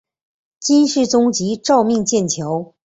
金世宗乃诏命建桥。